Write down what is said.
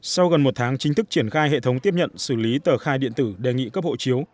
sau gần một tháng chính thức triển khai hệ thống tiếp nhận xử lý tờ khai điện tử đề nghị cấp hộ chiếu